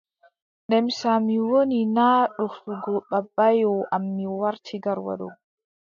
Demsa mi woni. naa ɗoftugo babbaayo am mi warti Garwa ɗo.